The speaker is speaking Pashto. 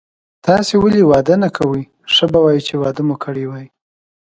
تاسي ولي واده نه کوئ، ښه به وای چي واده مو کړی وای.